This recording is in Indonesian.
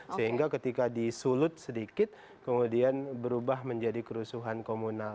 sehingga ketika disulut sedikit kemudian berubah menjadi kerusuhan komunal